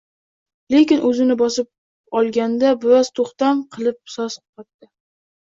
Lekin oʻzini bosib olganday, biroz toʻxtam qilib soʻz qotdi: